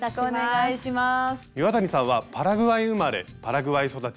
岩谷さんはパラグアイ生まれパラグアイ育ちの日系２世。